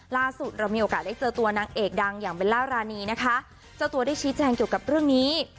ล่าสุดเรามีโอกาสได้เจอตัวนางเอกดังอย่างเบลล่ารานีนะคะเจ้าตัวได้ชี้แจงเกี่ยวกับเรื่องนี้